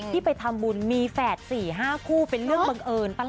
ไปทำบุญมีแฝด๔๕คู่เป็นเรื่องบังเอิญปะล่ะ